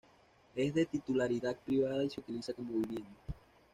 Es de titularidad privada y se utiliza como vivienda.